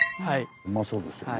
うまそうですよね。